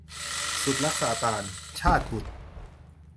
สุดรักซาตาน - ชาตบุษย์